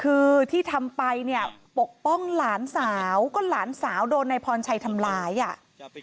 คือที่ทำไปเนี่ยปกป้องหลานสาวก็หลานสาวโดนนายพรชัยทำร้ายอ่ะ